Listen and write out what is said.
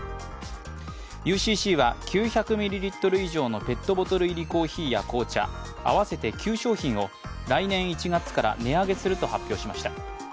ＵＣＣは９００ミリリットル以上のペットボトル入りコーヒーや紅茶、あわせて９商品を、来年１月から値上げすると発表しました。